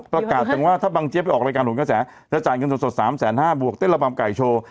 ประกาศจังว่าถ้าบังเจี๊ยไปออกรายการหนกระแสจะจ่ายเงินสด๓๕๐๐บวกเต้นระบำไก่โชว์